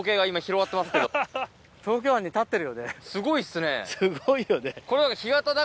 すごいよね。